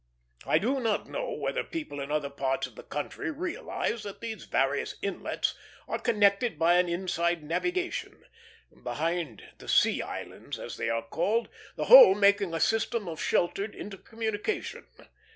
I do not know whether people in other parts of the country realize that these various inlets are connected by an inside navigation, behind the sea islands, as they are called, the whole making a system of sheltered intercommunication.